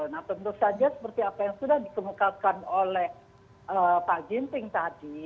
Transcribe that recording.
nah tentu saja seperti apa yang sudah dikemukakan oleh pak ginting tadi